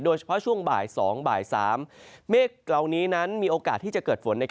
ช่วงบ่าย๒บ่าย๓เมฆเหล่านี้นั้นมีโอกาสที่จะเกิดฝน